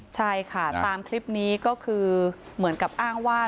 ใช่ค่ะตามคลิปนี้ก็คือเหมือนกับอ้างว่า